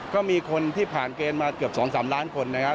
ก็มีคนที่ผ่านเกณฑ์มาเกือบ๒๓ล้านคนนะครับ